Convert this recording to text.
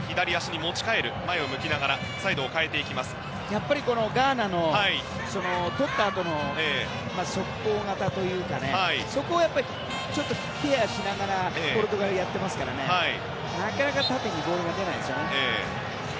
やっぱりガーナのとったあとの速攻型というかそこはやっぱりちょっとケアしながらポルトガルはやっていますからなかなか縦にボールが出ませんね。